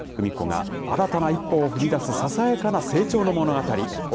史子が新たな一歩を踏み出すささやかな成長の物語。